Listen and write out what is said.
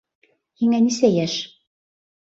— Һиңә нисә йәш?